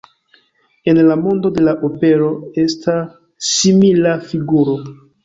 En la mondo de la opero esta simila figuro.